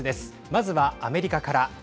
まずはアメリカから。